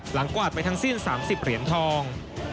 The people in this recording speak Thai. กวาดไปทั้งสิ้น๓๐เหรียญทอง